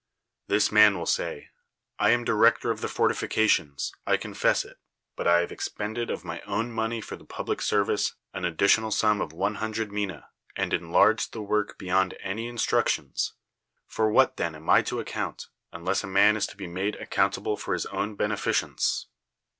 This man will say, '' I am director of the fortifications. I confess it; but I have expended of my own money for the public service an ad ditional sum of one hundred minse, and enlarged the work beyond any instructions: for what then am I to account, unless a man is to be made accountable for his own beneficence?